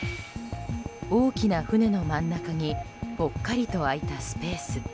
大きな船の真ん中にぽっかりと開いたスペース。